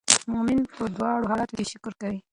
مؤمن په دواړو حالاتو کې شکر کوي.